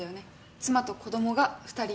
妻と子供が２人いる。